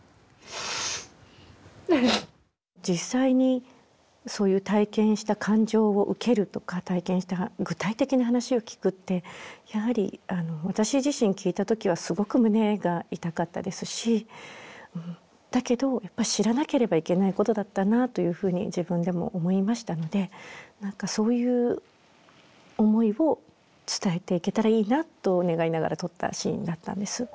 実際にそういう体験した感情を受けるとか体験した具体的な話を聞くってやはり私自身聞いた時はすごく胸が痛かったですしだけどやっぱり知らなければいけないことだったなというふうに自分でも思いましたので何かそういう思いを伝えていけたらいいなと願いながら撮ったシーンだったんです。